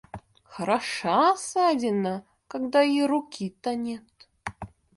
Хороша ссадина, когда и руки-то нет!